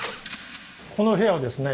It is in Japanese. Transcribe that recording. この部屋はですね